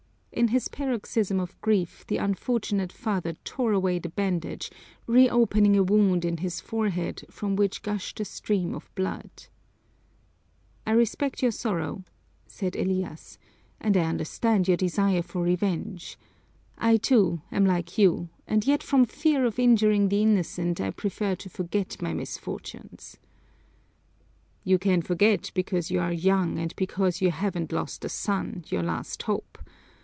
In his paroxysm of grief the unfortunate father tore away the bandage, reopening a wound in his forehead from which gushed a stream of blood. "I respect your sorrow," said Elias, "and I understand your desire for revenge. I, too, am like you, and yet from fear of injuring the innocent I prefer to forget my misfortunes." "You can forget because you are young and because you haven't lost a son, your last hope!